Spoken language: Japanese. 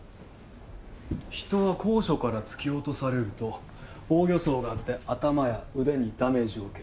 人は高所から突き落とされると防御創があって頭や腕にダメージを受ける。